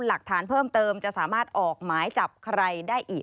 หลักฐานเพิ่มเติมจะสามารถออกหมายจับใครได้อีก